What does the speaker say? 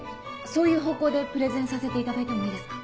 そういう方向でプレゼンさせていただいてもいいですか？